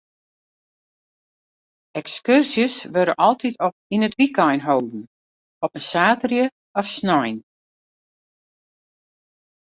Ekskurzjes wurde altyd yn it wykein holden, op in saterdei of snein.